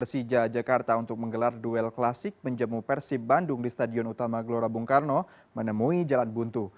persija jakarta untuk menggelar duel klasik menjemuh persib bandung di stadion utama gelora bung karno menemui jalan buntu